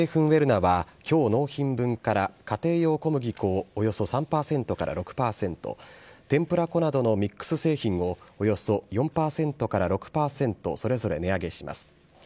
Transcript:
ウェルナは、きょう納品分から、家庭用小麦粉をおよそ３％から６％、天ぷら粉などのミックス製品をおよそ４％から６％、それぞれ値上げします。